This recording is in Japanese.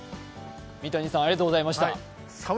三谷さん、ありがとうございました。